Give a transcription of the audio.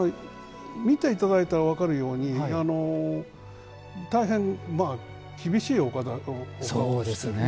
見ていただいたら分かるように大変厳しいお顔をしている。